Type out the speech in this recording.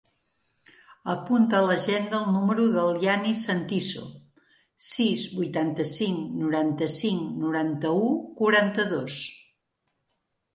Apunta a l'agenda el número del Yanis Santiso: sis, vuitanta-cinc, noranta-cinc, noranta-u, quaranta-dos.